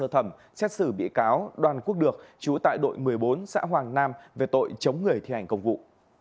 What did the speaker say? thẩm xét xử bị cáo đoàn quốc được chú tại đội một mươi bốn xã hoàng nam về tội chống người thi hành công vụ